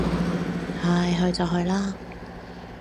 唉，去就去啦